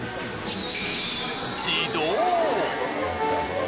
自動！